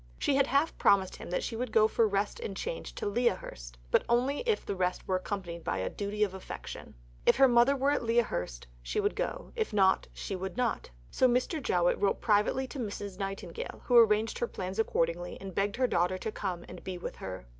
She had half promised him that she would go for rest and change to Lea Hurst; but only if the rest were accompanied by a duty of affection. If her mother were at Lea Hurst, she would go; if not, she would not. So Mr. Jowett wrote privately to Mrs. Nightingale, who arranged her plans accordingly, and begged her daughter to come and be with her.